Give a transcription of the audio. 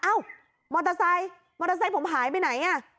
มอเตอร์ไซค์มอเตอร์ไซค์ผมหายไปไหนอ่ะ